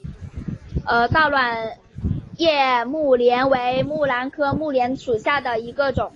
倒卵叶木莲为木兰科木莲属下的一个种。